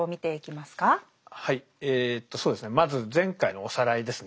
まず前回のおさらいですね。